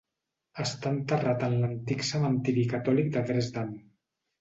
Està enterrat en l'Antic Cementiri Catòlic de Dresden.